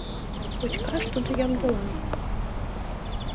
Кочкаш тудо ямдыла